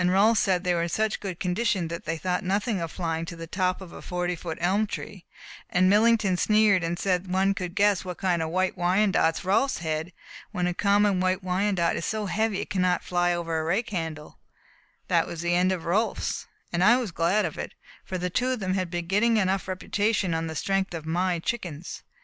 Then Millington asked, sneeringly, how high his hens could fly, and Rolfs said they were in such good condition they thought nothing of flying to the top of a forty foot elm tree, and Millington sneered and said any one could guess what kind of White Wyandottes Rolfs had, when a common White Wyandotte is so heavy it cannot fly over a rake handle. That was the end of Rolfs, and I was glad of it, for the two of them had been getting enough reputation on the strength of my chickens.